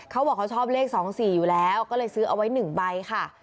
เขาบอกเขาชอบเลข๒๔อยู่แล้วก็เลยซื้อเอาไว้๑ใบค่ะ